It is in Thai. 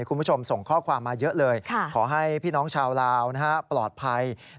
คุณผู้ชมส่งข้อความมาเยอะเลยขอให้พี่น้องชาวลาวปลอดภัย